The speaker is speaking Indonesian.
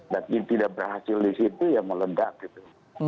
tapi tidak berhasil di situ ya meledak gitu